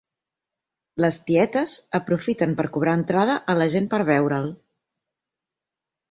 Les tietes aprofiten per cobrar entrada a la gent per veure'l.